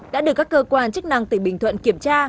đã được các cơ quan chức năng tỉnh bình thuận kiểm tra